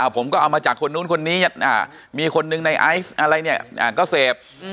ผมก็เอามาจากคนนู้นคนนี้มีคนหนึ่งในไอซ์อะไรเนี่ยก็เสพ